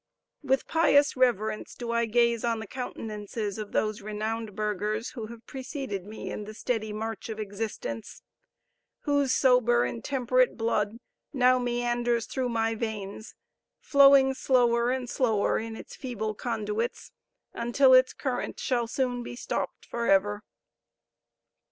With pious reverence do I gaze on the countenances of those renowned burghers who have preceded me in the steady march of existence whose sober and temperate blood now meanders through my veins, flowing slower and slower in its feeble conduits, until its current shall soon be stopped for ever!